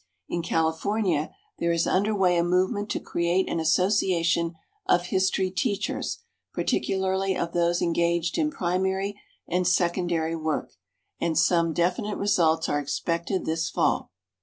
In California there is under way a movement to create an association of history teachers, particularly of those engaged in primary and secondary work, and some definite results are expected this fall.